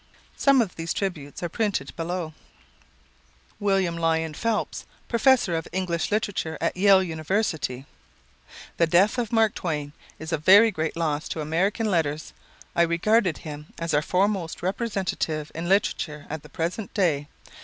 Some of these tributes are printed below: William Lyon Phelps, Professor of English Literature at Yale University: "The death of Mark Twain is a very great loss to American letters. I regarded him as our foremost representative in literature at the present day.